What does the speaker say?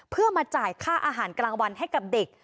เพื่อมาจ่ายค่าอาหารกลางวันให้กับเด็ก